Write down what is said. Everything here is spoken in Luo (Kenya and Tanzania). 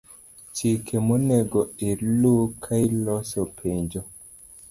Chike monego ilu kailoso penjo.